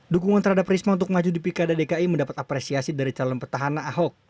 dukungan terhadap risma untuk maju di pilkada dki mendapat apresiasi dari calon petahana ahok